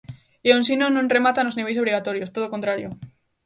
E o ensino non remata nos niveis obrigatorios, todo o contrario.